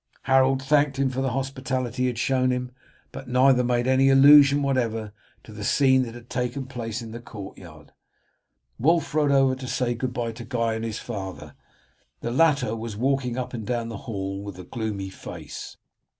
Harold thanked him for the hospitality he had shown him, but neither made any allusion whatever to the scene that had taken place in the courtyard. Wulf rode over to say good bye to Guy and his father. The latter was walking up and down the hall with a gloomy face.